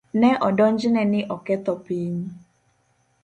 Ne odonjne ni oketho piny.